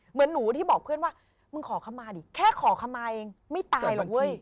เหมือนหนูที่บอกเพื่อนว่ามึงขอคำมาดิแค่ขอคำมาเองไม่ตายหรอกเว้ย